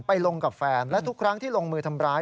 ลงกับแฟนและทุกครั้งที่ลงมือทำร้าย